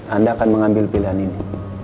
anda akan mengambil pilihan ini